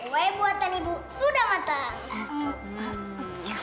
kue buatan ibu sudah matang